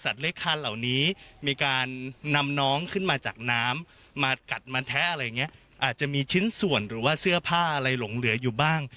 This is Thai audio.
เลขคานเหล่านี้มีการนำน้องขึ้นมาจากน้ำมากัดมาแท้อะไรอย่างเงี้ยอาจจะมีชิ้นส่วนหรือว่าเสื้อผ้าอะไรหลงเหลืออยู่บ้าง